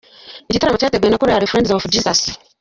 Igitaramo cyateguwe na korali Friends of Jesus.